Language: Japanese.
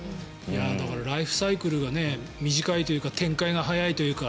だからライフサイクルが短いというか展開が早いというか。